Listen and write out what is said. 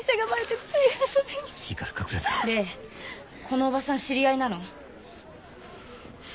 このおばさん知り合いなの？